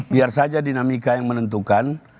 biar saja dinamika yang menentukan